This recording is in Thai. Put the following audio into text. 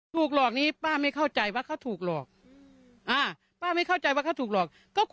ถูกหลอกนี้ป้าไม่เข้าใจว่าเขาถูกหลอก